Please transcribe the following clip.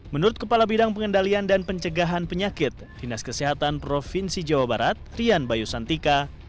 menurut kepala bidang pengendalian dan pencegahan penyakit dinas kesehatan provinsi jawa barat rian bayu santika